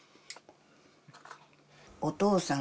お父さん